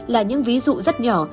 là những ví dụ rất nhỏ